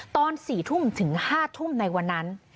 ตอน๔ทุ่มถึง๕ทุ่มในวันนั้น